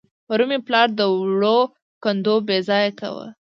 پرون مې پلار د وړو کندو بېځايه کاوه.